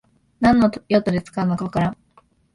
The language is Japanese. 何の用途で使うのかわからん